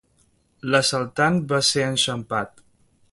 L'assaltant va ser enxampat.